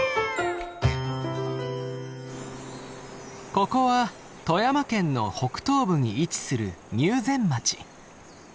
ここは富山県の北東部に位置する入善町。